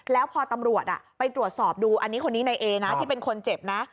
แล้วตอนต่อไปสอบดูอันนี้ในเอนะที่เป็นคนเจ็บนะ